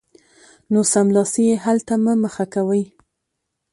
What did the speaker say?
نو سملاسي یې حل ته مه مخه کوئ